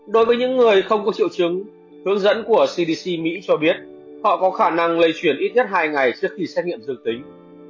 đối với những người không có triệu chứng hướng dẫn của cdc mỹ cho biết họ có khả năng lây chuyển ít nhất hai ngày trước khi xét nghiệm dương tính